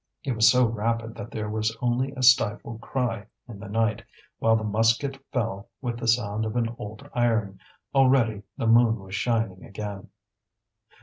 It was so rapid that there was only a stifled cry in the night, while the musket fell with the sound of old iron. Already the moon was shining again.